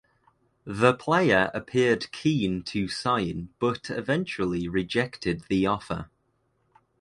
The player appeared keen to sign but eventually rejected the offer.